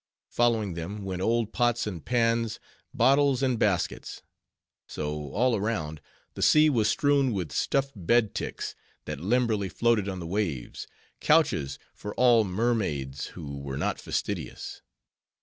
Following them, went old pots and pans, bottles and baskets. So, all around, the sea was strewn with stuffed bed ticks, that limberly floated on the waves—couches for all mermaids who were not fastidious.